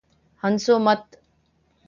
ہنسو مت